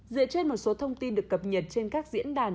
dựa trên một số thông tin được cập nhật trên các diễn đàn